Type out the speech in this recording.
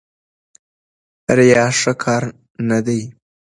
ریا ښه کار نه دی.